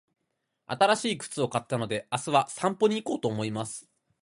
新しい靴を買ったので、明日は散歩に行こうと思います。